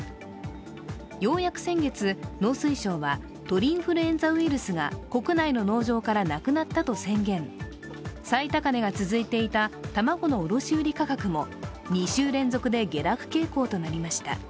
ようやく先月、農水省は鳥インフルエンザが国内の農場からなくなったと宣言、最高値が続いていた卵の卸売価格も２週連続で下落傾向となりました。